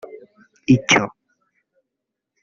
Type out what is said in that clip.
Icyo